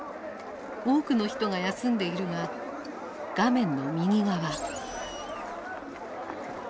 多くの人が休んでいるが画面の右側。